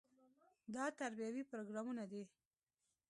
دا تربیوي پروګرامونه دي.